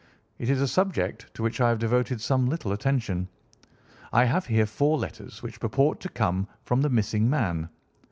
It is a subject to which I have devoted some little attention. I have here four letters which purport to come from the missing man.